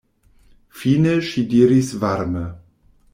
Fine ŝi diris varme: